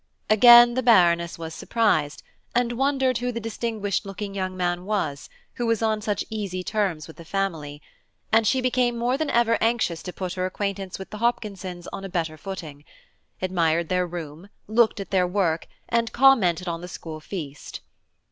Again the Baroness was surprised, and wondered who the distinguished looking young man was, who was on such easy terms with the family; and she became more than ever anxious to put her acquaintance with the Hopkinsons on a better footing; admired their room, looked at their work, and commented on the school feast.